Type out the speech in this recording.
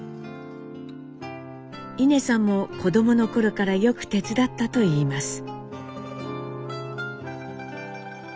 いねさんも子どもの頃からよく手伝ったといいます。